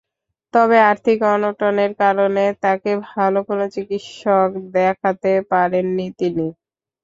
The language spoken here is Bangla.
তবে আর্থিক অনটনের কারণে তাকে ভালো কোনো চিকিৎসক দেখাতে পারেননি তিনি।